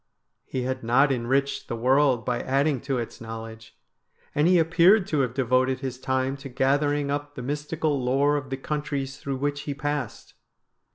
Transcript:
He had not enriched the world by adding to its knowledge, and he appeared to have devoted his time to gathering up the mystical lore of the countries through which he passed.